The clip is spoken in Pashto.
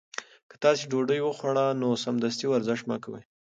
که تاسي ډوډۍ وخوړه نو سمدستي ورزش مه کوئ.